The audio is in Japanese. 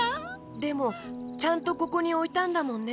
でもちゃんとここにおいたんだもんね。